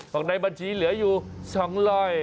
ฝั่งในบัญชีเหลืออยู่๒๐๐บาท